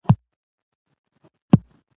خپله خوله هم کلا ده، هم بلا